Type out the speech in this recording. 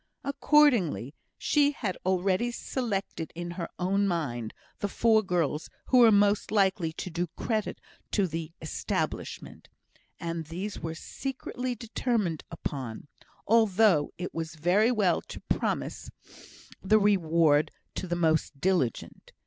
Accordingly, she had already selected in her own mind the four girls who were most likely to do credit to the "establishment;" and these were secretly determined upon, although it was very well to promise the reward to the most diligent.